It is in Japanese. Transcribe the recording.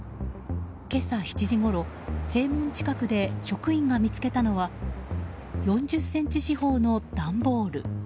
今朝７時ごろ、正門近くで職員が見つけたのは４０ｃｍ四方の段ボール。